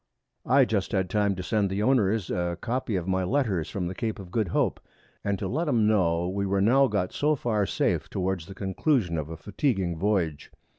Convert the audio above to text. I just had time to send the Owners a Copy of my Letters from the Cape of Good Hope, and to let 'em know we were now got so far safe towards the Conclusion of a fatiguing Voyage.